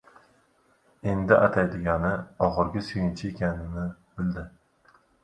endigi ataydigani oxirgi suyunchi ekanini bildi.